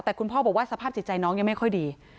แต่คุณพ่อบอกว่าสภาพจิตใจน้องยังไม่ค่อยดี